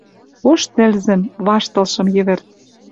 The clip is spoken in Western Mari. Ош тӹлзӹм, ваштылшым йӹвӹрт.